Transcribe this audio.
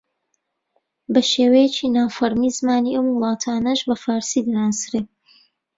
بە شێوەیەکی نافەرمی زمانی ئەم وڵاتانەش بە فارسی دەناسرێ